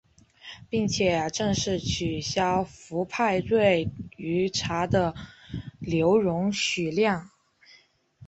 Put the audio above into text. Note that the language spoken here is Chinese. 并且正式取消氟派瑞于茶的留容许量。